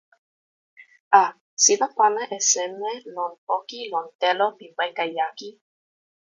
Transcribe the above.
a, sina pana e seme lon poki lon telo pi weka jaki?